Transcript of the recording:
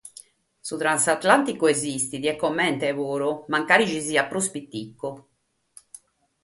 Su Transatlànticu esistit e comente puru, fintzas si est prus minore!